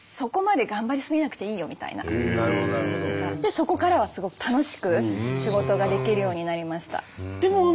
そこからはすごく楽しく仕事ができるようになりました。